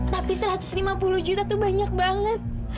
tapi satu ratus lima puluh juta tuh banyak banget